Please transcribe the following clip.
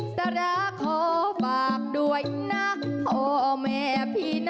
สละขอบากด้วยน้าพ่อแม่พี่น้องเอ๋ย